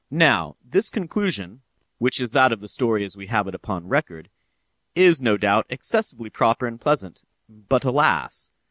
Now, this conclusion (which is that of the story as we have it upon record) is, no doubt, excessively proper and pleasant—but alas!